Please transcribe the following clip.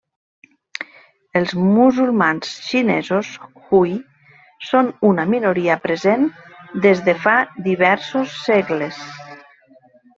Els musulmans xinesos Hui són una minoria present des de fa diversos segles.